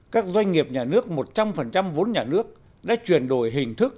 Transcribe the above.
các doanh nghiệp nhà nước một trăm linh vốn nhà nước đã chuyển đổi hình thức